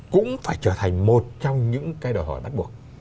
cũng phải trở thành một trong những cái đòi hỏi bắt buộc